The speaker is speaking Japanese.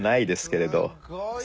すごいな。